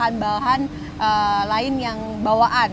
dan bahan lain yang bawaan